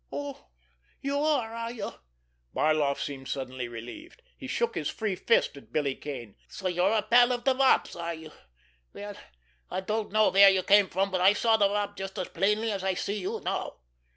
"Oh, you are, are you!" Barloff seemed suddenly relieved. He shook his free fist at Billy Kane. "So you're a pal of the Wop's, are you! Well, I don't know where you came from, but I saw the Wop just as plainly as I see you now."